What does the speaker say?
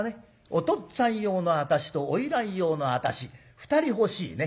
おとっつぁん用の私と花魁用の私２人欲しいね。